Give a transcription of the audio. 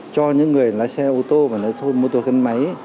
cho những người lái xe ô tô và người lái xe mô tô xe gắn máy